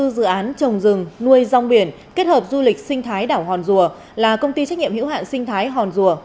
hai mươi dự án trồng rừng nuôi rong biển kết hợp du lịch sinh thái đảo hòn rùa là công ty trách nhiệm hữu hạn sinh thái hòn rùa